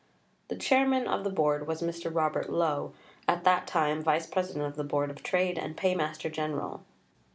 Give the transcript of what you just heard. The chairman of the Board was Mr. Robert Lowe, at that time Vice President of the Board of Trade and Paymaster General.